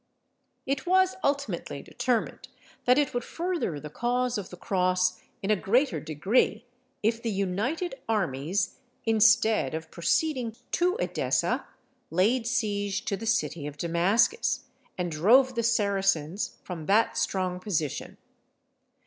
It was ultimately determined that it would further the cause of the cross in a greater degree if the united armies, instead of proceeding to Edessa, laid siege to the city of Damascus, and drove the Saracens from that strong position.